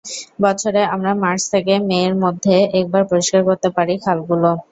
বছরে আমরা মার্চ থেকে মে-এর মধ্যে একবার পরিষ্কার করতে পারি খালগুলো।